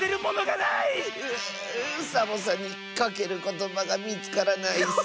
うサボさんにかけることばがみつからないッス。